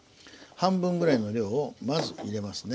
半分ぐらいの量をまず入れますね。